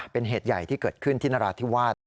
เป็นเหตุใหญ่ที่เกิดขึ้นที่นราธิวาส